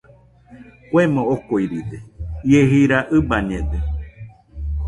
Kuemo okuiride, ie jira ɨbañede.